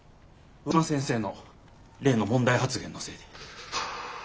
上嶋先生の例の問題発言のせいで。